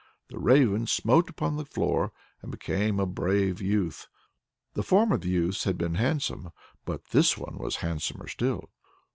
The Raven smote upon the floor and became a brave youth. The former youths had been handsome, but this one was handsomer still.